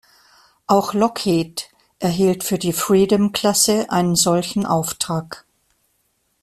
Auch Lockheed erhielt für die "Freedom-"Klasse einen solchen Auftrag.